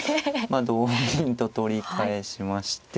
まあ同銀と取り返しまして。